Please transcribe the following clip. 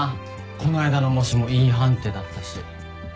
こないだの模試もＥ判定だったし。